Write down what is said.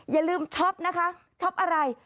อย่าลืมช็อปนะคะช็อปอะไร